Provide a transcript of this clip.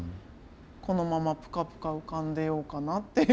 このままプカプカ浮かんでようかなっていう。